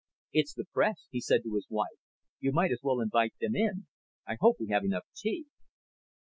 "It's the press," he said to his wife. "You might as well invite them in. I hope we have enough tea."